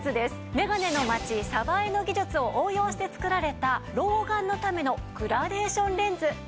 「めがねのまちさばえ」の技術を応用して作られた老眼のためのグラデーションレンズなんです。